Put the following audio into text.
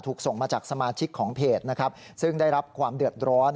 ส่งมาจากสมาชิกของเพจนะครับซึ่งได้รับความเดือดร้อน